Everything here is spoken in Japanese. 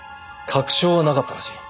確証はなかったらしい。